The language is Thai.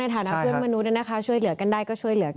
ฐานะเพื่อนมนุษย์ช่วยเหลือกันได้ก็ช่วยเหลือกัน